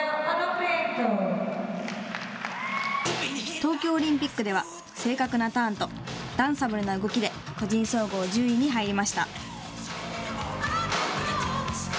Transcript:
東京オリンピックでは正確なターンとダンサブルな動きで個人総合１０位に入りました。